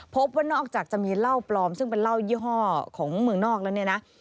พบว่านอกจากจะมีเหล้าปลอมซึ่งเป็นเหล้ายี่ห้อของเมืองนอกแล้วเนี่ยนะ